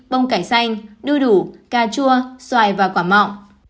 bông cải xanh đưu đủ cà chua xoài và quả mọng